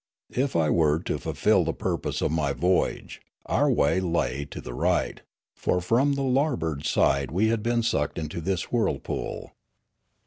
If I were to fulfil the purpose of my voyage, our way lay to the right ; for from the larboard side we had been sucked into this whirlpool.